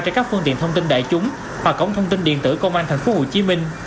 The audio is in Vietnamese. trên các phương tiện thông tin đại chúng hoặc ống thông tin điện tử công an tp hcm